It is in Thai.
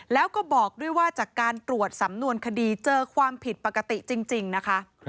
แล้วก็บอกด้วยว่าจากการตรวจสำนวนคดีเจอความผิดปกติจริงนะคะ